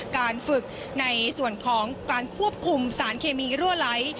การฝึกในส่วนของการควบคุมสารเคมีรั่วไหล